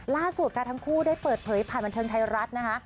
ล่าสุดค่ะทั้งคู่ได้เปิดเผยผ่านบันเทิงไทยรัฐนะคะ